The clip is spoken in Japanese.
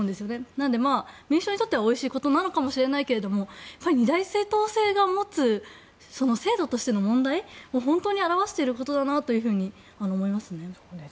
なので、民主党にとってはおいしいことなのかもしれないけど二大政党制が持つ制度としての問題を本当に表していることだなと思いますね。